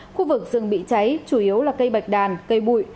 khu vực rừng bị cháy chủ yếu là cây bạch đàn cây bụi